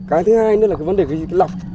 cái thứ hai nữa là cái vấn đề lọc